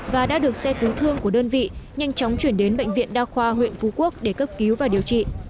và đã được xe cứu thương của đơn vị nhanh chóng chuyển đến bệnh viện đa khoa huyện phú quốc để cấp cứu và điều trị